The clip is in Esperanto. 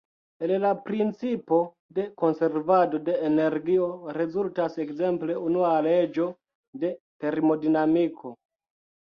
El la principo de konservado de energio rezultas ekzemple unua leĝo de termodinamiko.